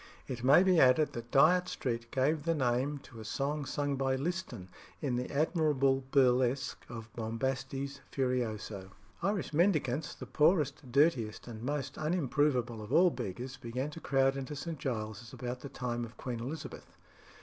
It may be added that Dyot Street gave the name to a song sung by Liston in the admirable burlesque of "Bombastes Furioso." Irish mendicants the poorest, dirtiest, and most unimprovable of all beggars began to crowd into St. Giles's about the time of Queen Elizabeth.